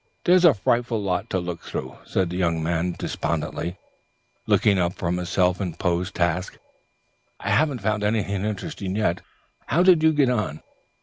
"There's a frightful lot to look through," said the young man despondently, looking up from his self imposed task. "I haven't found anything interesting yet. How did you get on?